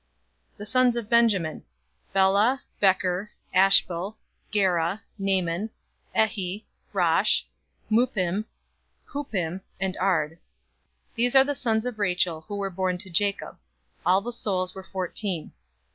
046:021 The sons of Benjamin: Bela, Becher, Ashbel, Gera, Naaman, Ehi, Rosh, Muppim, Huppim, and Ard. 046:022 These are the sons of Rachel, who were born to Jacob: all the souls were fourteen.